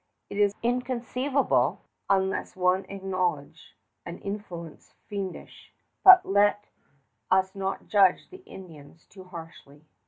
It is inconceivable unless one acknowledge an influence fiendish; but let us not judge the Indians too harshly.